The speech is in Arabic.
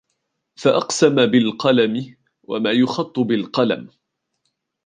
فَأَقْسَمَ بِالْقَلَمِ وَمَا يُخَطُّ بِالْقَلَمِ